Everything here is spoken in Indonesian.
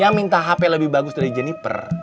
yang minta hp lebih bagus dari jeniper